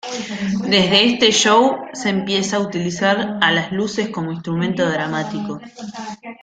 Desde este show se empieza a utilizar a las luces como instrumento dramático.